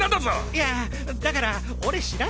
いやだから俺知らないし。